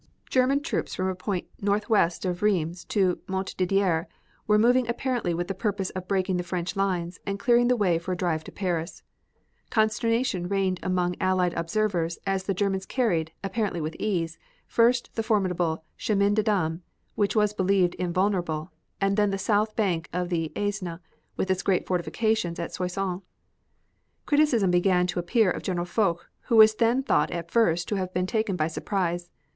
German troops from a point northwest of Rheims to Montdidier were moving apparently with the purpose of breaking the French lines and clearing the way for a drive to Paris. Consternation reigned among Allied observers as the Germans carried, apparently with ease, first the formidable Chemin des Dames, which was believed invulnerable, and then the south bank of the Aisne, with its great fortifications at Soissons. Criticism began to appear of General Foch, who was thought at first to have been taken by surprise.